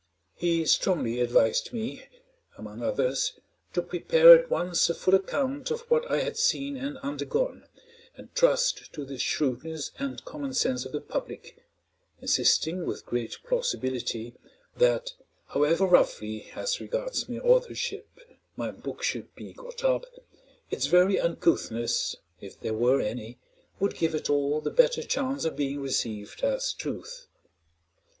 He strongly advised me, among others, to prepare at once a full account of what I had seen and undergone, and trust to the shrewdness and common sense of the public—insisting, with great plausibility, that however roughly, as regards mere authorship, my book should be got up, its very uncouthness, if there were any, would give it all the better chance of being received as truth.